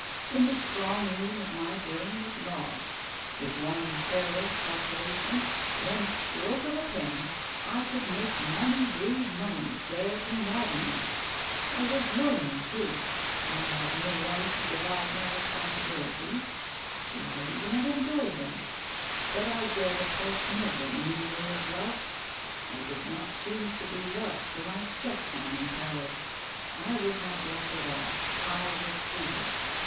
In the strong room of my brain it lodged. With one careless calculation, one stroke of a pen, I could make money breed money there to madden me. I was lonely, too. I had no wife to divide my responsibilities. She might even have enjoyed them. l 2 — Dj^itiz )05le 148 TALES OF THE UNEASY But I dared approach no woman in the way of love — I did not choose to be loved for my cheque signing powers. I was not loved at all. I was hated.